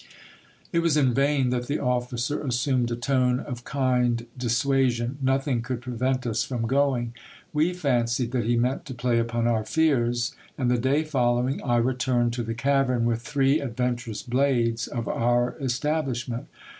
It was in vain that the officer assumed a tone of kind dissuasion ; nothing could prevent us from going. We fancied that he meant to play upon our fears ; and the day following I returned to the cavern with three adventurous blades of our establishment.